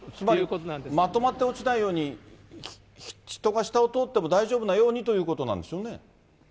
つまりまとまって落ちないように、人が下を通っても大丈夫なようにということなんでしょうね。